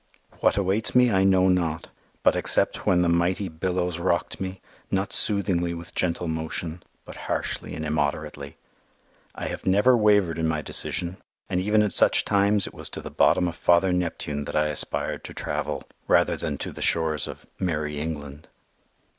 What awaits me I know not, but except when the mighty billows rocked me, not soothingly with gentle motion, but harshly and immoderately. I have never wavered in my decision; and even at such times it was to the bottom of Father Neptune that I aspired to travel rather than to the shores of "Merrie England."